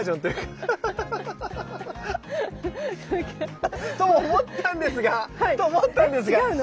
そっか。と思ったんですがと思ったんですが！